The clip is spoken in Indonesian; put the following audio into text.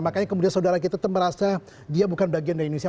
makanya kemudian saudara kita itu merasa dia bukan bagian dari indonesia